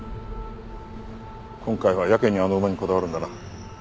今回はやけにあの馬にこだわるんだな。